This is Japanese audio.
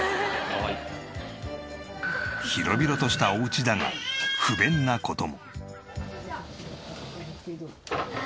広々としたお家だが不便な事も。